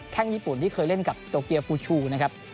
ญี่ปุ่นที่เคยเล่นกับโตเกียร์ฟูชูนะครับ